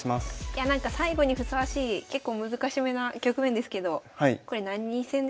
最後にふさわしい結構難しめな局面ですけどこれ何戦ですか？